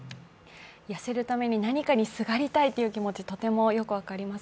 痩せるために何かにすがりたいという気持ち、とてもよく分かります。